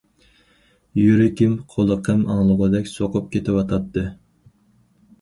يۈرىكىم قۇلىقىم ئاڭلىغۇدەك سوقۇپ كېتىۋاتاتتى.